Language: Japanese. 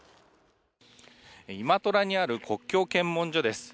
イマトラにある国境検問所です。